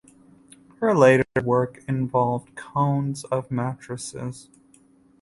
Her later work involved cones of matrices.